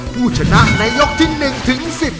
ผู้ชนะในยกที่๑ถึง๑๐